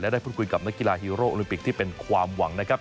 ได้พูดคุยกับนักกีฬาฮีโร่โอลิมปิกที่เป็นความหวังนะครับ